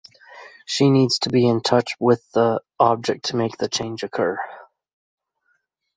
She needs to be in touch with the object to make the change occur.